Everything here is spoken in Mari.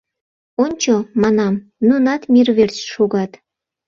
— Ончо, — манам, — нунат мир верч шогат.